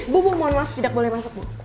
bu bu mohon maaf tidak boleh masuk bu